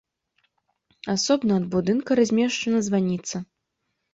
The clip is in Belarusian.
Асобна ад будынка размешчана званіца.